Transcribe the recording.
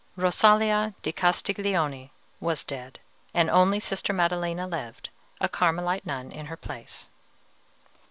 Rosalia di Castiglione was dead, and only Sister Maddelena lived, a Carmelite nun, in her place.